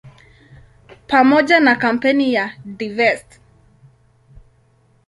Pamoja na kampeni ya "Divest!